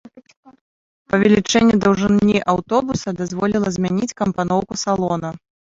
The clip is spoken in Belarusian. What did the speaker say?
Павелічэнне даўжыні аўтобуса дазволіла змяніць кампаноўку салона.